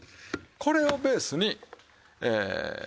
これをベースにえ。